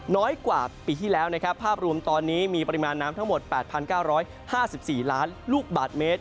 น้อยกว่าปีที่แล้วนะครับภาพรวมตอนนี้มีปริมาณน้ำทั้งหมด๘๙๕๔ล้านลูกบาทเมตร